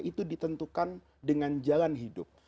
itu ditentukan dengan jalan hidup